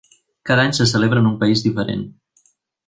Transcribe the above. Cada any se celebra en un país diferent.